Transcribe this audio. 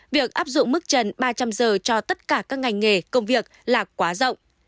việc áp dụng mức trần ba trăm linh giờ cho tất cả các ngành nghề công việc là quá rộng